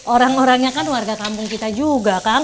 orang orangnya kan warga kampung kita juga kan